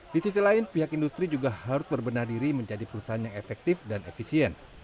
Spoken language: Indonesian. di sisi lain pihak industri juga harus berbenah diri menjadi perusahaan yang efektif dan efisien